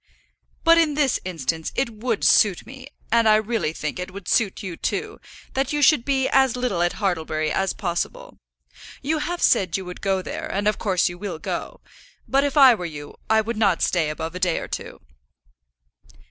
"But in this instance it would suit me, and I really think it would suit you too, that you should be as little at Hartlebury as possible. You have said you would go there, and of course you will go. But if I were you, I would not stay above a day or two."